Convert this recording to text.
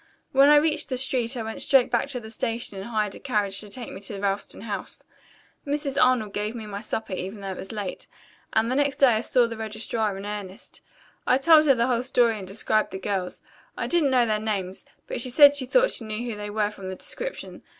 "When I reached the street I went straight back to the station and hired a carriage to take me to Ralston House. Mrs. Arnold gave me my supper even though it was late, and the next day I saw the registrar in earnest. I told her the whole story and described the girls. I didn't know their names, but she said she thought she knew who they were from the description.